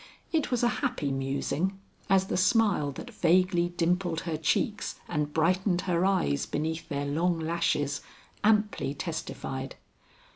It was a happy musing, as the smile that vaguely dimpled her cheeks and brightened her eyes beneath their long lashes, amply testified.